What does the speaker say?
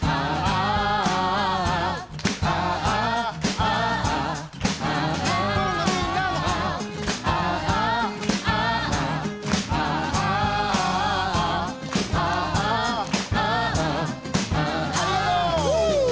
ありがとう！